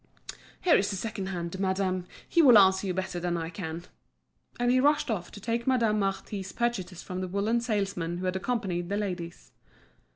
"Here's the second hand, madame. He will answer you better than I can." And he rushed off to take Madame Marty's purchases from the woollen salesman who had accompanied the ladies.